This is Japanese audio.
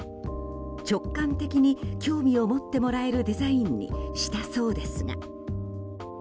直感的に興味を持ってもらえるデザインにしたそうですが。